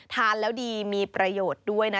ทานแล้วดีมีประโยชน์ด้วยนะ